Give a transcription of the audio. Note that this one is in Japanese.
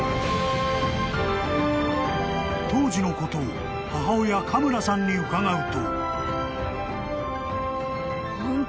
［当時のことを母親カムラさんに伺うと］